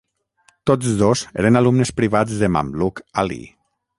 Tots dos eren alumnes privats de Mamluk Ali.